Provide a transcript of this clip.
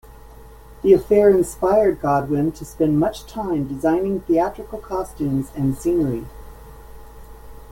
The affair inspired Godwin to spend much time designing theatrical costumes and scenery.